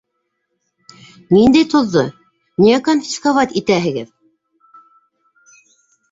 — Ниндәй тоҙҙо, ниңә конфисковать итәһегеҙ?